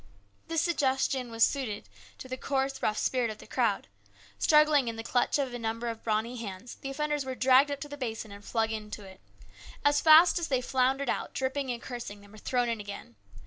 The suggestion was just suited to the coarse, rough spirit of the crowd. Struggling in the clutch of a number of brawny hands, the offenders were dragged up to the basin and flung into it. As fast as they floundered out, dripping and cursing, they were thrown in again.